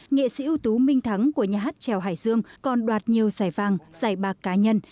nghệ sĩ ưu tú minh thắng của nhà hát trèo hải dương còn đoạt nhiều giải vàng giải bạc cá nhân